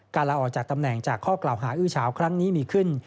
ลาออกจากตำแหน่งจากข้อกล่าวหาอื้อเฉาครั้งนี้มีขึ้น